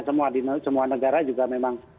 semua di semua negara juga memang